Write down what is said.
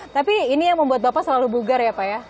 tapi ini yang membuat bapak selalu bugar ya pak ya